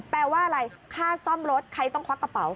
แปลว่าอะไรค่าซ่อมรถใครต้องควักกระเป๋า